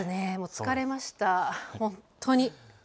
疲れました、本当に。